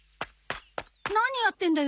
何やってんだよ？